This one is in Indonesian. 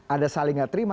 ada saling gak terima